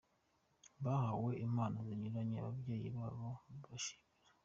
Bahaye impano zinyuranye ababyeyi babo babashimira.